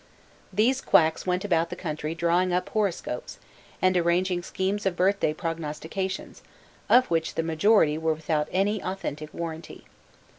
These quacks went about the country drawing up horoscopes, and arranging schemes of birthday prognostications, of which the majority were without any authentic warranty.